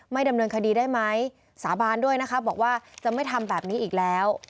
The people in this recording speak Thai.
ดำเนินคดีได้ไหมสาบานด้วยนะคะบอกว่าจะไม่ทำแบบนี้อีกแล้ว